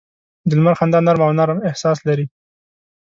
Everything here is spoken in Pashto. د لمر خندا نرمه او نرم احساس لري